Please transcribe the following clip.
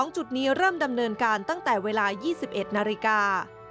จุดนี้เริ่มดำเนินการตั้งแต่เวลา๒๑นาฬิกา